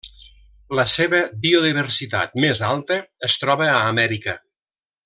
La seva biodiversitat més alta es troba a Amèrica.